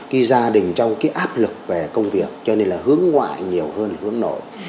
cái gia đình trong cái áp lực về công việc cho nên là hướng ngoại nhiều hơn hướng nội